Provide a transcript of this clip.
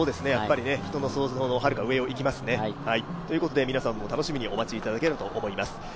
人の想像のはるか上をいきますね。ということで、皆さんも楽しみにお待ちいただければと思います。